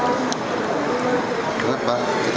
yang kelima sampai indonesia